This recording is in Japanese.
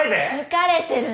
疲れてるの！